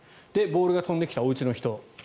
ボールが飛んできたおうちの人。